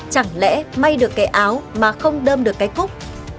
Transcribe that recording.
chẳng lẽ may được cái áo mà không đơm được cái cúc